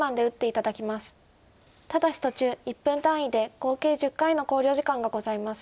ただし途中１分単位で合計１０回の考慮時間がございます。